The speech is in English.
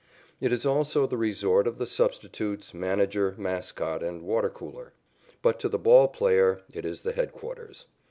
It is also the resort of the substitutes, manager, mascot and water cooler. But to the ball player it is the headquarters.